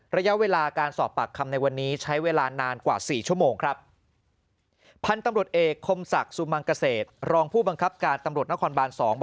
ระยะเวลาการสอบปากคำในวันนี้ใช้เวลานานกว่า๔ชั่วโมงครับ